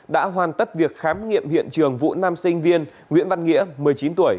đã hoàn tất việc khám nghiệm hiện trường vụ nam sinh viên nguyễn văn nghĩa một mươi chín tuổi